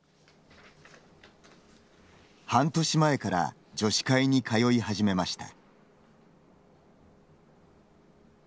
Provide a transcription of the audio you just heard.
半年前から女子会に通い始めました。